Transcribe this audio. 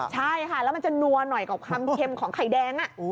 ใช่ค่ะแล้วมันจะนัวหน่อยกับความเค็มของไข่แดง